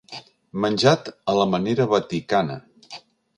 Menjat a la manera vaticana.